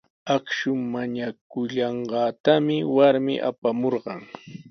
Akshu mañakullanqaatami warmi apamurqan.